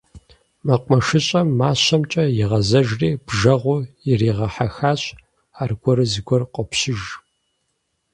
МэкъумэшыщӀэм мащэмкӀэ игъэзэжри, бжэгъур иригъэхьэхащ - аргуэру зыгуэр къопщыж.